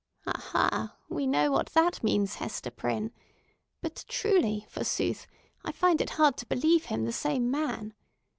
Aha! we know what that means, Hester Prynne! But truly, forsooth, I find it hard to believe him the same man.